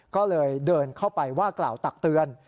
ก็เลยเดินเข้าไปว่ากล่าวตักเตือน